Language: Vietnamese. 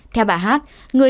theo bà hát